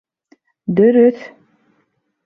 — Дөрөҫ!